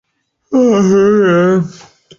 这十年间立体声技术被引入七号电视网。